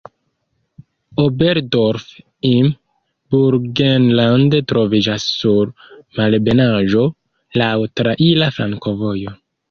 Oberdorf im Burgenland troviĝas sur malebenaĵo, laŭ traira flankovojo.